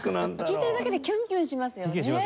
聞いてるだけでキュンキュンしますよね。